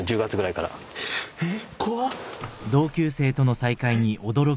えっ？